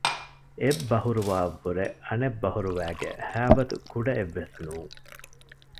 އެއް ބަހުރުވައަށް ވުރެ އަނެއް ބަހުރުވައިގެ ހައިބަތު ކުޑައެއްވެސް ނޫން